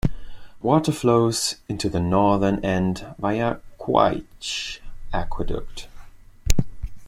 Water flows into the northern end via the Cuaich Aqueduct.